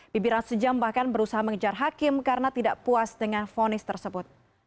bibi rasunjam bahkan berusaha mengejar hakim karena tidak puas dengan vonis tersebut